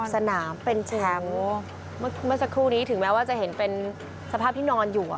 สนามเป็นแชมป์เมื่อสักครู่นี้ถึงแม้ว่าจะเห็นเป็นสภาพที่นอนอยู่